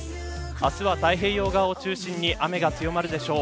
明日は太平洋側を中心に雨が強まるでしょう。